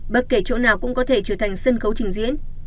bất kể chỗ nào cũng có thể trở thành sân khấu trình diễn